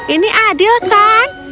ini adil kan